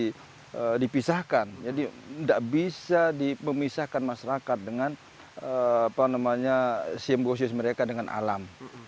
tidak bisa begitu saja dipisahkan jadi tidak bisa dipemisahkan masyarakat dengan simbosis mereka dengan alam